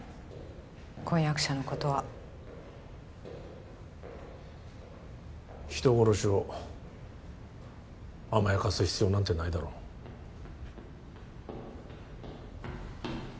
婚約者のことは人殺しを甘やかす必要なんてないだろう皆実さんから連絡が